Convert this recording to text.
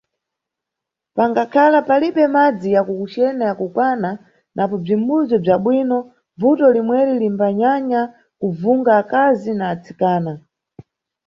Pangakhala palibe madzi ya kucena ya kukwana, napo bzimbudzu bza bwino, bvuto limweri limbanyanya kuvunga akazi na atsikana.